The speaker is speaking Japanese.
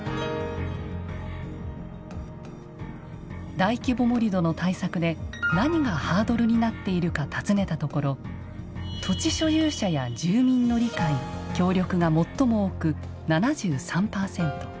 大規模盛土の対策で何がハードルになっているか尋ねたところ「土地所有者や住民の理解・協力」が最も多く７３％。